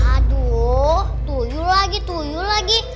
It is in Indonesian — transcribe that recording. aduh tuyul lagi tuyul lagi